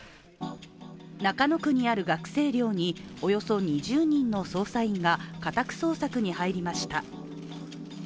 中野区にある学生寮におよそ２０人の捜査員が家宅捜索に入りました。